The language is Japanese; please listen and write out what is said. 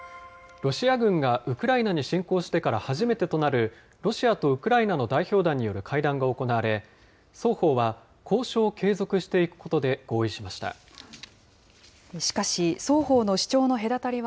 ロシア軍がウクライナに侵攻してから初めてとなる、ロシアとウクライナの代表団による会談が行われ、双方は交渉を継続していくことで合意しました。